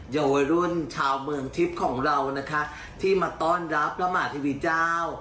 เยาวชนชาวเมืองทิพย์ของเรานะคะที่มาต้อนรับพระมหาเทวีเจ้า